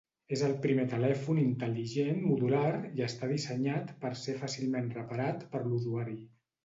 És el primer telèfon intel·ligent modular i està dissenyat per ser fàcilment reparat per l'usuari.